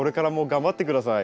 頑張って下さい。